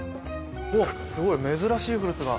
わっすごい！